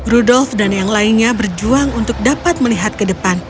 rudolf dan yang lainnya berjuang untuk dapat melihat ke depan